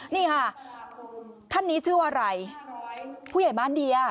นี่ค่ะท่านนี้ชื่อว่าอะไรผู้ใหญ่บ้านเดีย